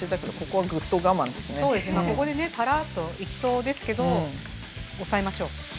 ここでねたらっといきそうですけど抑えましょう。